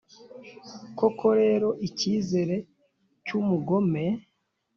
Koko rero, icyizere cy’umugome